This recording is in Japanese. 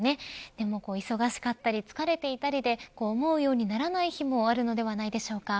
でも忙しかったり疲れていたりで思うようにならない日もあるのではないでしょうか。